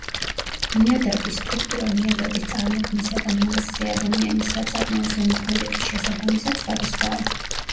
ნიადაგის სტრუქტურა ნიადაგის წარმოქმნისა და მასზე ადამიანის საწარმოო ზემოქმედების შესაბამისად, სხვადასხვაა.